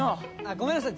ごめんなさい。